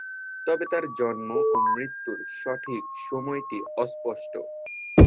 তবে তার জন্ম ও মৃত্যুর সঠিক সময়টি অস্পষ্ট।